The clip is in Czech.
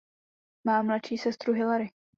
Má mladší sestru Hilary.